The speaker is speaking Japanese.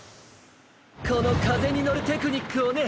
このかぜにのるテクニックをね！